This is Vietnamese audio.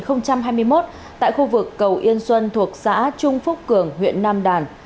bốn tháng một mươi một năm hai nghìn hai mươi một tại khu vực cầu yên xuân thuộc xã trung phúc cường huyện nam đàn